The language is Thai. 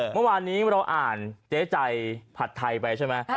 เมื่อวานนี้เราอ่านเจ๊ใจผัดไทยไปใช่ไหม